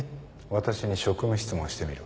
私に職務質問してみろ。